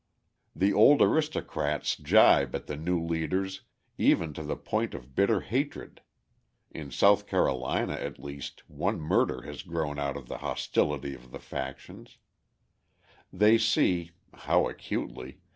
The old aristocrats gibe at the new leaders even to the point of bitter hatred (in South Carolina at least one murder has grown out of the hostility of the factions); they see (how acutely!)